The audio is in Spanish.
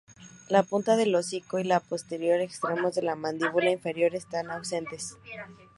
La punta del hocico y la posterior extremos de la mandíbula inferior están ausentes.